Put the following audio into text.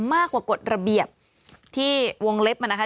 มากกว่ากฎระเบียบที่วงเล็บมานะคะ